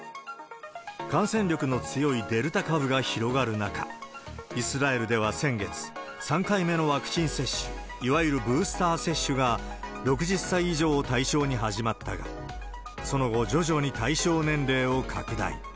感染力の強いデルタ株が広がる中、イスラエルでは先月、３回目のワクチン接種、いわゆるブースター接種が６０歳以上を対象に始まったが、その後、徐々に対象年齢を拡大。